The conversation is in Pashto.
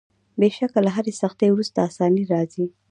بېشکه له هري سختۍ وروسته آساني راځي.